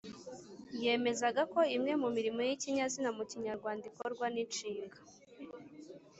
Yemezaga ko imwe mu murimo y’ikinyazina mu Kinyarwanda ikorwa n’inshinga.